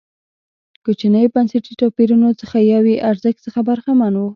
کوچنیو بنسټي توپیرونو څخه یو یې ارزښت څخه برخمن و.